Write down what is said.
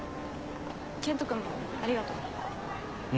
健人君もありがとう。